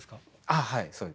あっはいそうです。